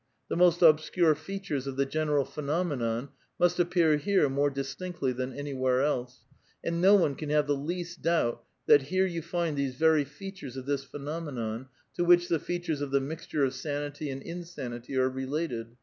most obscure features of the general phenomenon must 5ar here more distinctly than anywhere else, and no one have the least doubt that here you find these verj' ares of this phenomenon, to which the features of the ture of sanity and insanity are related.